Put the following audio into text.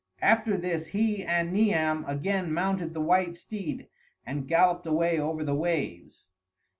After this he and Niam again mounted the white steed and galloped away over the waves.